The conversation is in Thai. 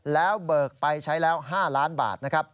แล้วเบิกไปใช้แล้ว๕ล้านบาทนะครับ